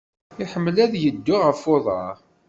Iḥemmel ad yeddu ɣef uḍaṛ.